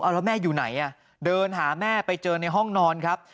แล้วแม่อยู่ไหนเดินหาแม่ไปเจอในห้องนอนครับ